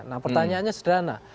nah pertanyaannya sederhana